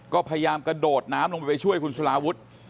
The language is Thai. ก็พยายามกระโดดน้ำลงไปไปช่วยคุณสลาวุฒิ